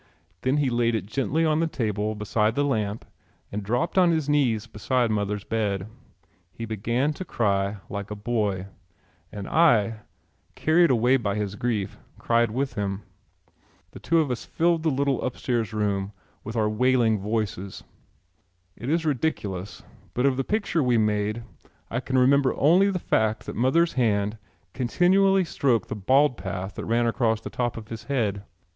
Then he laid it gently on the table beside the lamp and dropped on his knees beside mother's bed. He began to cry like a boy and I, carried away by his grief, cried with him. The two of us filled the little upstairs room with our wailing voices. It is ridiculous, but of the picture we made I can remember only the fact that mother's hand continually stroked the bald path that ran across the top of his head.